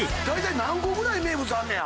何個ぐらい名物あんねや？